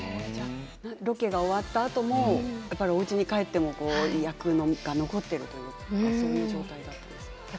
ロケが終わったあともおうちに帰っても役が残っているというかそんな状態だったんですか？